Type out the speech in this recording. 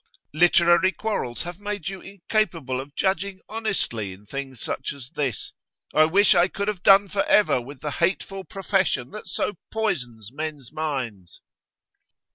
'Literary quarrels have made you incapable of judging honestly in things such as this. I wish I could have done for ever with the hateful profession that so poisons men's minds.